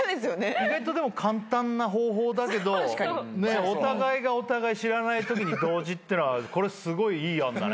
意外とでも簡単な方法だけどお互いがお互い知らないときに同時っていうのはこれすごいいい案だね。